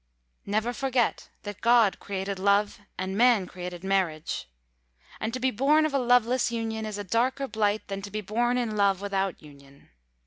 Never forget that God created love and man created marriage. And to be born of a loveless union is a darker blight than to be born in love without union.